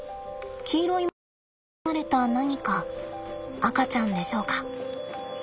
黄色い毛布にくるまれた何か赤ちゃんでしょうか。